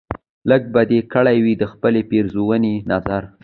لږ به دې کړی و دخپلې پیرزوینې نظر